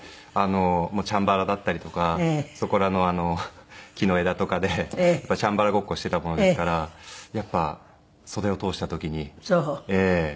チャンバラだったりとかそこらの木の枝とかでチャンバラごっこしていたものですからやっぱり袖を通した時に身が引き締まりましたね。